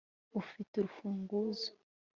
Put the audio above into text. ufite urufunguzo